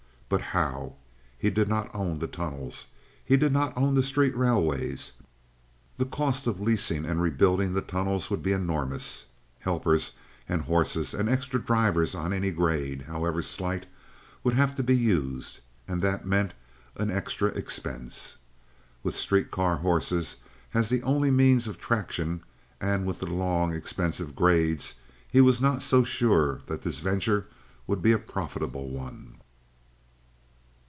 But how? He did not own the tunnels. He did not own the street railways. The cost of leasing and rebuilding the tunnels would be enormous. Helpers and horses and extra drivers on any grade, however slight, would have to be used, and that meant an extra expense. With street car horses as the only means of traction, and with the long, expensive grades, he was not so sure that this venture would be a profitable one.